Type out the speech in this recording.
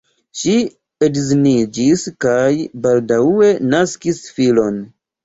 Ŝi edziniĝis kaj baldaŭe naskis filon.